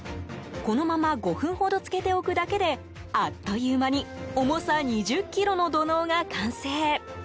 このまま５分ほど浸けておくだけであっという間に重さ２０ｋｇの土のうが完成。